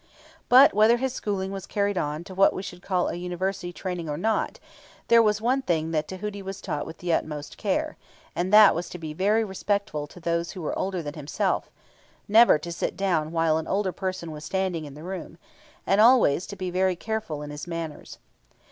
But, whether his schooling was carried on to what we should call a University training or not, there was one thing that Tahuti was taught with the utmost care, and that was to be very respectful to those who were older than himself, never to sit down while an older person was standing in the room, and always to be very careful in his manners.